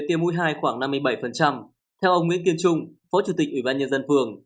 theo ông nguyễn kiên trung phó chủ tịch ủy ban nhân dân phường